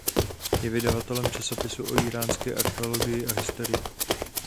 Je vydavatelem časopisu o íránské archeologii a historii.